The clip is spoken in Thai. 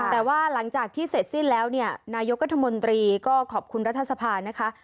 แต่ว่าหลังจากที่เสร็จสิ้นแล้วเนี่ยนายกรัฐมนตรีก็ขอบคุณรัฐสภานะคะ